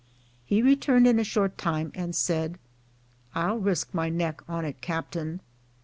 He returned in a short time and said, "I'll risk my neck on it, captain."